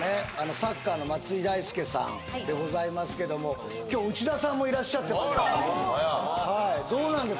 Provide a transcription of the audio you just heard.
サッカーの松井大輔さんでございますけども今日内田さんもいらっしゃってますからはいどうなんです？